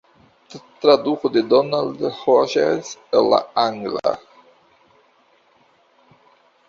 Traduko de Donald Rogers el la angla.